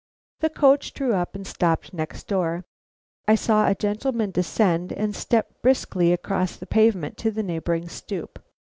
The coach drew up and stopped next door. I saw a gentleman descend and step briskly across the pavement to the neighboring stoop.